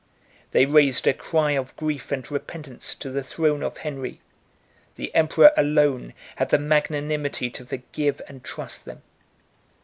They raised a cry of grief and repentance to the throne of Henry; the emperor alone had the magnanimity to forgive and trust them.